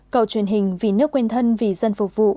câu truyền hình vì nước quen thân vì dân phục vụ